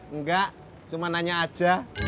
enggak cuma nanya aja